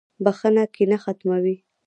• بخښنه کینه ختموي.